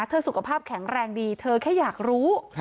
สุขภาพแข็งแรงดีเธอแค่อยากรู้